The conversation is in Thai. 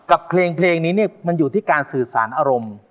อันนี้อยู่ที่การสื่อสารอารมณ์